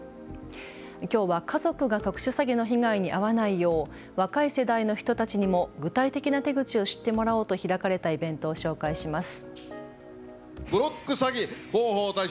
きょうは家族が特殊詐欺の被害に遭わないよう若い世代の人たちにも具体的な手口を知ってもらおうと開かれたイベントを紹介します。